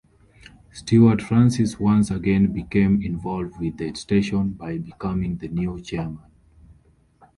Stewart Francis once again became involved with the station by becoming the new Chairman.